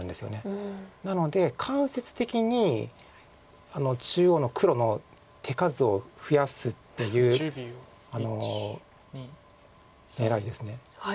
なので間接的に中央の黒の手数を増やすっていう狙いです。